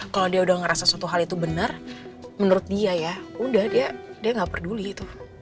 kalau dia udah ngerasa suatu hal itu benar menurut dia ya udah dia gak peduli itu